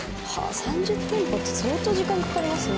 ３０店舗って相当時間かかりますよね。